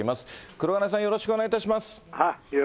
黒鉄さん、よろしくお願いします。